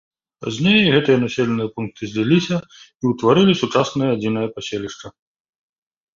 Пазней гэтыя населеныя пункты зліліся і ўтварылі сучаснае адзінае паселішча.